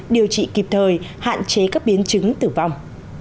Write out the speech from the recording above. điều trị kịp thời hạn chế các biến chứng tử vong